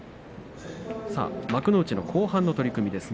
幕内の後半の取組です。